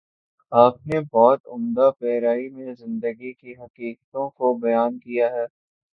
آپ نے بہت عمدہ پیراۓ میں زندگی کی حقیقتوں کو بیان کیا ہے۔